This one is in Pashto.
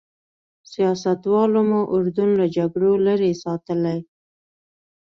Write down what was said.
سیاستوالو مو اردن له جګړو لرې ساتلی.